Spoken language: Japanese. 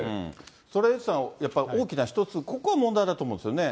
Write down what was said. それ、エイトさん、大きな一つ、ここは問題だと思うんですよね。